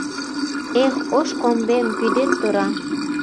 Эх, ош комбем, вӱдет тора